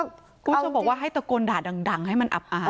คุณผู้ชมบอกว่าให้ตะโกนด่าดังให้มันอับอาย